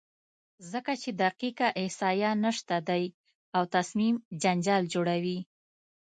ځکه چې دقیقه احصایه نشته دی او تصمیم جنجال جوړوي،